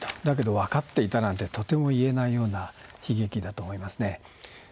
だけど分かっていたなんてとても言えないような悲劇だと思いますね。